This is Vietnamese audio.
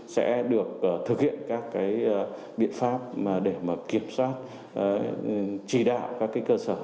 sẽ được thực hiện các biện pháp để kiểm soát chỉ đạo các cơ sở